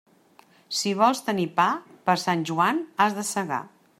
Si vols tenir pa, per Sant Joan has de segar.